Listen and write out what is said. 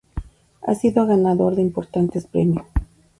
Ha sido ganador de importantes premios.